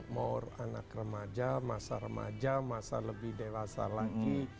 mau anak remaja masa remaja masa lebih dewasa lagi